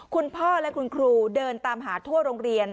คุณพ่อและคุณครูเดินตามหาทั่วโรงเรียน